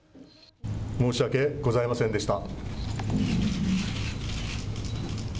申し訳ございませんでした。